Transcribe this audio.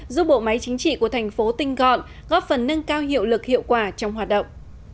giúp bộ máy chính trị của thành phố tinh gọn góp phần nâng cao hiệu lực hiệu quả trong hoạt động